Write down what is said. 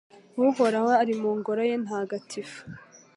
Uhoraho ari mu Ngoro ye ntagatifu